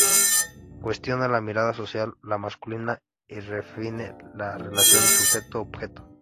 Cuestiona la mirada social, la masculina y redefine la relación sujeto-objeto.